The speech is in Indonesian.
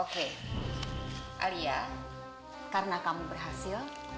oke alia karena kamu berhasil